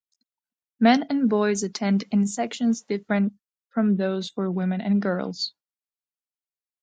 Men and boys attend in sections different from those for women and girls.